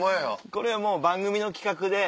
これはもう番組の企画で。